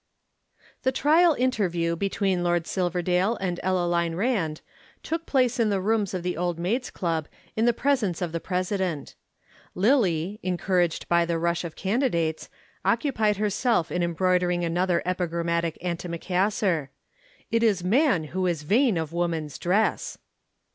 The trial interview between Lord Silverdale and Ellaline Rand took place in the rooms of the Old Maids' Club in the presence of the President. Lillie, encouraged by the rush of candidates, occupied herself in embroidering another epigrammatic antimacassar "It is man who is vain of woman's dress."